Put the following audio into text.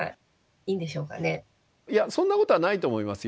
いやそんなことはないと思いますよ。